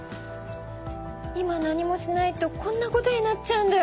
今何もしないとこんなことになっちゃうんだよ。